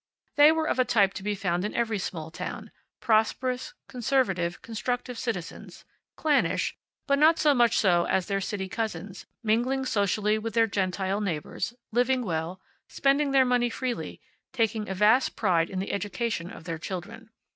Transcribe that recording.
They were of a type to be found in every small town; prosperous, conservative, constructive citizens, clannish, but not so much so as their city cousins, mingling socially with their Gentile neighbors, living well, spending their money freely, taking a vast pride in the education of their children.